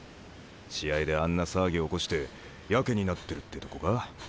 試合であんな騒ぎ起こしてやけになってるってとこか。